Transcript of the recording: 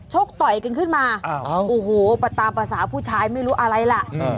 กต่อยกันขึ้นมาโอ้โหตามภาษาผู้ชายไม่รู้อะไรล่ะ